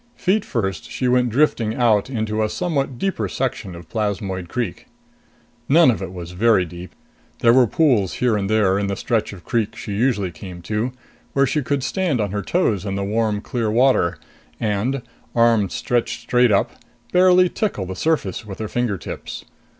Feet first, she went drifting out into a somewhat deeper section of Plasmoid Creek. None of it was very deep. There were pools here and there, in the stretch of the creek she usually came to, where she could stand on her toes in the warm clear water and, arms stretched straight up, barely tickle the surface with her finger tips.